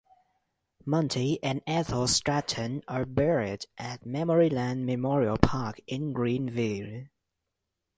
Monty and Ethel Stratton are buried at Memoryland Memorial Park in Greenville.